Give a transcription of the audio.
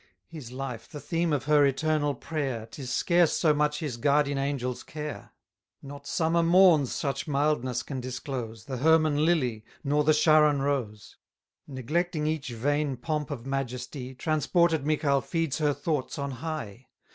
His life, the theme of her eternal prayer, 'Tis scarce so much his guardian angel's care. Not summer morns such mildness can disclose, The Hermon lily, nor the Sharon rose. Neglecting each vain pomp of majesty, Transported Michal feeds her thoughts on high.